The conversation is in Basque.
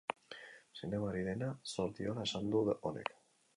Zinemari dena zor diola esan du honek.